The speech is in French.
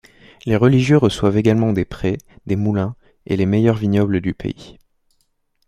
Les religieux reçoivent également des prés, des moulins et les meilleurs vignobles du pays.